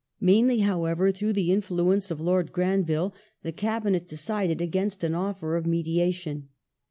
Mainly, however, thi'ough the influence of Lord Granville, the Cabinet decided against an offer of mediation.